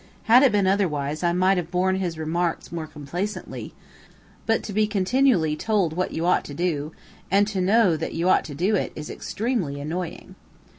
Had it been otherwise I might have borne his remarks more complacently, but to be continually told what you ought to do, and to know that you ought to do it, is extremely annoying.